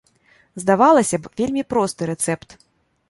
Здавалася б, вельмі просты рэцэпт.